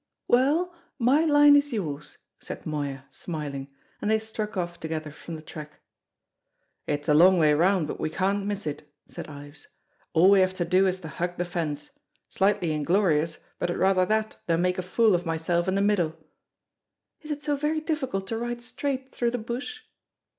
"Well, my line is yours," said Moya, smiling; and they struck off together from the track. "It's the long way round, but we can't miss it," said Ives; "all we have to do is to hug the fence. Slightly inglorious, but I'd rather that than make a fool of myself in the middle." "Is it so very difficult to ride straight through the bush?"